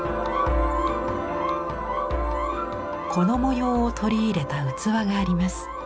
この模様を取り入れた器があります。